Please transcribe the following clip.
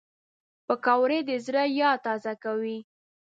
پکورې د زړه یاد تازه کوي